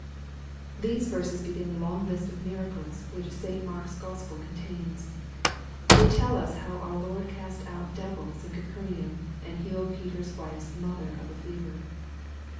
THESE verses begin the long list of miracles which St. Mark's Gospel contains. They tell us how our Lord cast out devils in Capernaum, and healed Peter's wife's mother of a fever.